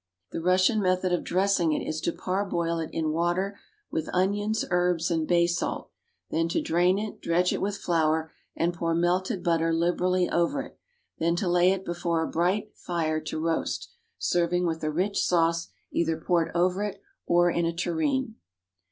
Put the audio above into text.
The Russian method of dressing it is to par boil it in water with onions, herbs, and baysalt, then to drain it, dredge it with flour, and pour melted butter liberally over it, then to lay it before a bright fire to roast, serving with a rich sauce, either poured over it, or in a tureen.